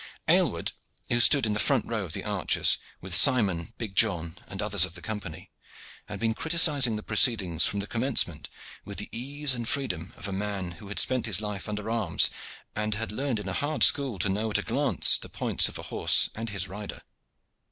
Aylward, who stood in the front row of the archers with Simon, big John, and others of the Company, had been criticising the proceedings from the commencement with the ease and freedom of a man who had spent his life under arms and had learned in a hard school to know at a glance the points of a horse and his rider.